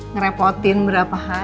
nge repotin berapa hari ya